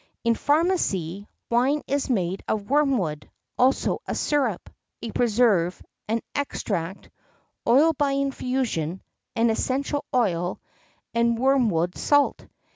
[X 55] In pharmacy, wine is made of wormwood; also a syrup, a preserve, an extract, oil by infusion, an essential oil, and wormwood salt.